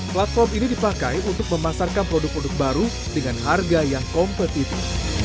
platform ini dipakai untuk memasarkan produk produk baru dengan harga yang kompetitif